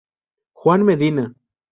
Juan Medina.